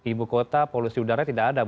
ibu kota polusi udara tidak ada